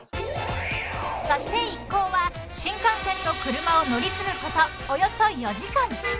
［そして一行は新幹線と車を乗り継ぐことおよそ４時間］